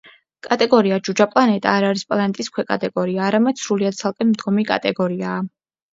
კატეგორია „ჯუჯა პლანეტა“ არ არის პლანეტის ქვეკატეგორია, არამედ სრულიად ცალკე მდგომი კატეგორიაა.